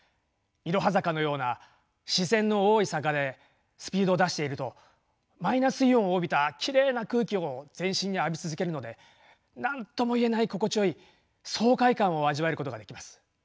いろは坂のような自然の多い坂でスピードを出しているとマイナスイオンを帯びたきれいな空気を全身に浴び続けるので何とも言えない心地よい爽快感を味わえることができます。